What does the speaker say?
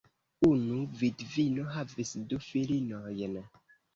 Unu vidvino havis du filinojn.